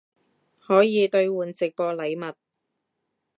可以兑换直播禮物